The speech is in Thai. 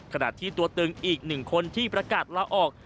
ขณะที่ตัวตึงอีกหนึ่งคนที่ประกาศลาออก